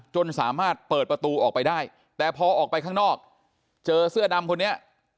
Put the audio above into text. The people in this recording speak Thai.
จนสามารถเปิดประตูออกไปได้แต่พอออกไปข้างนอกเจอเสื้อดำคนนี้